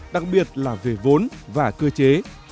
đặc biệt là về vốn và cơ chế